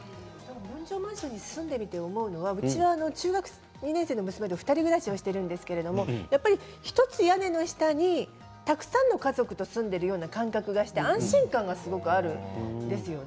分譲マンションに住んでいて思うのは、うちは中学２年生の娘と２人暮らしなんですが１つ屋根の下にたくさんの家族と住んでいる感覚がして安心感があるんですよね。